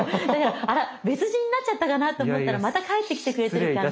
あら別人になっちゃったかなと思ったらまた帰ってきてくれている感があって。